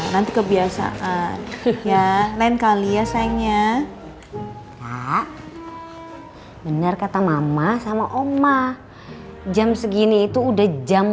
nanti kebiasaan ya lain kali ya sayangnya pak benar kata mama sama oma jam segini itu udah jam